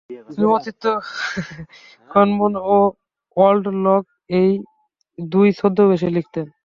তিনি অর্নিথগনমোন ও ওল্ড লগ এই দুই ছদ্মনামে লিখতেন।